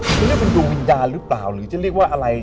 คือเรียกเป็นดวงวิญญาณหรือเปล่าหรือจะเรียกว่าอะไร